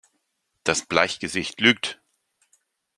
Das Bleichgesicht lügt!